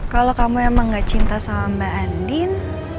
kalau kamu emang gak cinta sama mbak andin